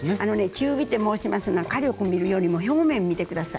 中火って申しますのは火力見るよりも表面見て下さい。